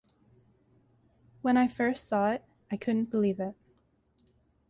When I first saw it I couldn't believe it.